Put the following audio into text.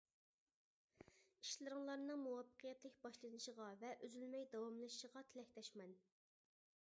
ئىشلىرىڭلارنىڭ مۇۋەپپەقىيەتلىك باشلىنىشىغا ۋە ئۈزۈلمەي داۋاملىشىشىغا تىلەكداشمەن!